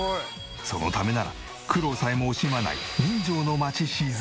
そのためなら苦労さえも惜しまない。